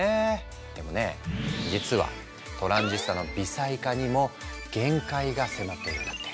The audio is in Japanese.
でもね実はトランジスタの微細化にも限界が迫っているんだって。